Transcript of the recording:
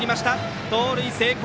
盗塁成功。